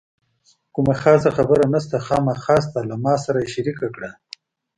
کومه خاصه خبره نشته، خامخا شته له ما سره یې شریکه کړه.